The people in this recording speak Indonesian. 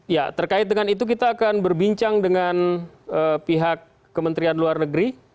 ya terkait dengan itu kita akan berbincang dengan pihak kementerian luar negeri